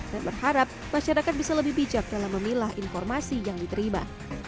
dan berharap masyarakat bisa lebih bijak dalam memilah informasi yang diterima